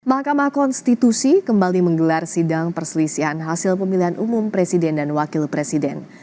mahkamah konstitusi kembali menggelar sidang perselisihan hasil pemilihan umum presiden dan wakil presiden